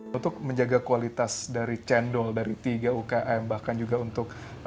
misalnya karena saat celui ini dia membeli satu